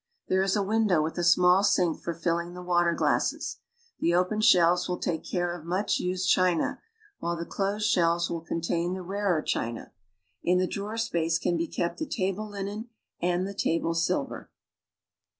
There is a window with a small sink for filling the water glasses. The open sheb es will take cure of much used china, while the closed shelves will contain the rarer china. In the drawer space can be kept the table linen and the table silver.